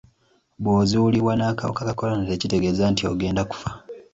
Bw'ozuulibwa n'akawuka ka kolona tekitegeeza nti ogenda kufa.